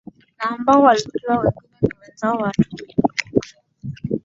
na ambao walijua wengine ni wazao wa Waturuki